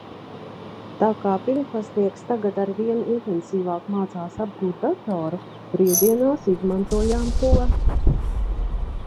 Tā kā pirmklasnieks tagad arvien intensīvāk mācās apgūt datoru, brīvdienās izmantojām to.